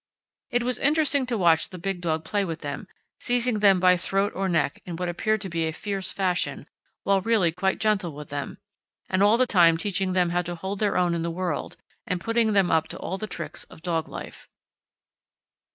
It was interesting to watch the big dog play with them, seizing them by throat or neck in what appeared to be a fierce fashion, while really quite gentle with them, and all the time teaching them how to hold their own in the world and putting them up to all the tricks of dog life.